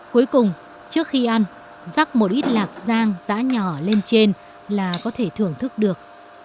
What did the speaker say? cuối cùng trước khi ăn rắc một ít lạc rang giã nhỏ lên trên là có thể thưởng thức được